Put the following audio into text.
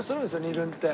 ２軍って。